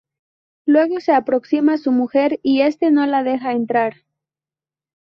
Luego se aproxima su mujer y este no la deja entrar.